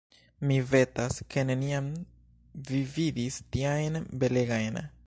Mi vetas, ke neniam vi vidis tiajn belegajn.